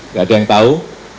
nggak ada yang tahu